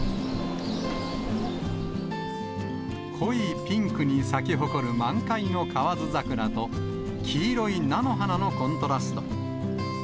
濃いピンクに咲き誇る満開の河津桜と黄色い菜の花のコントラスト。